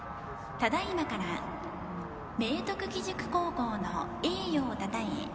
ただいまから明徳義塾高校の栄誉をたたえ